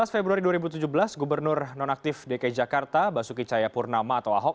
sebelas februari dua ribu tujuh belas gubernur nonaktif dki jakarta basuki caya purnama atau ahok